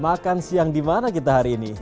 makan siang dimana kita hari ini